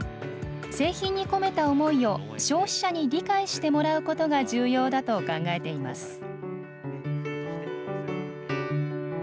製品に込めた思いを消費者に理解してもらうことが重要だと考えています。